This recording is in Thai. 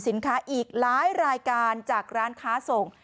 สินค้าอีกหลายรายการจากร้านค้าสงฆ์